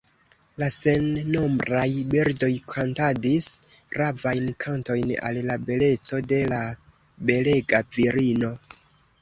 La sennombraj birdoj kantadis ravajn kantojn al la beleco de la belega virino.